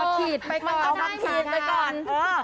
เอามักถีดไปก่อน